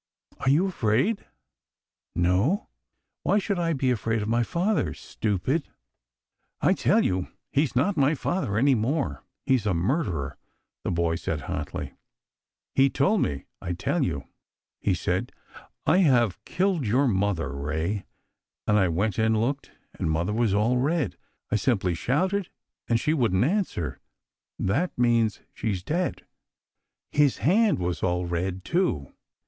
" Are you afraid ?"" No, why should I be afraid of my father, stupid ?"" I tell you he's not father any more. He's a murderer," the boy said hotly. " He told 218 AND WHO SHALL SAY ? 219 me, I tell you. He said, ' I have killed your mother, Ray,' and I went and looked, and mother was all red. I simply shouted, and she wouldn't answer. That means she's dead. His hand was all red, too."